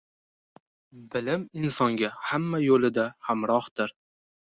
Bilim insonga hamma yo‘lida hamrohdir.